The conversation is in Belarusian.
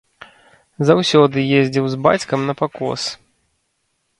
Заўсёды ездзіў з бацькам на пакос.